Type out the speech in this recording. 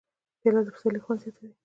پیاله د پسرلي خوند زیاتوي.